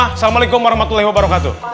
assalamu'alaikum warahmatullahi wabarakatuh